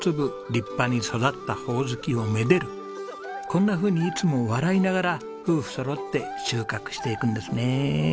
こんなふうにいつも笑いながら夫婦そろって収穫していくんですね。